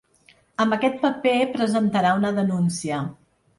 Amb aquest paper presentarà una denúncia.